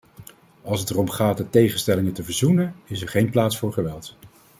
Als het erom gaat de tegenstellingen te verzoenen, is er geen plaats voor geweld.